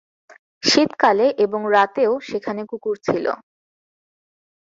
শীতকালে এবং রাতেও সেখানে কুকুর ছিল।